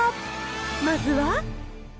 まずは。